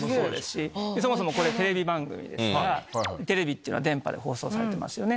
そもそもこれテレビ番組ですからテレビって電波で放送されてますよね。